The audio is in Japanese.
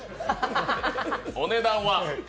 お値段は？